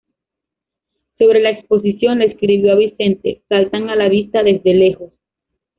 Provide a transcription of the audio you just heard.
Sobre la exposición, le escribió a Vicente: "Saltan a la vista desde lejos.